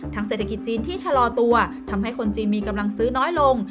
เศรษฐกิจจีนที่ชะลอตัวทำให้คนจีนมีกำลังซื้อน้อยลง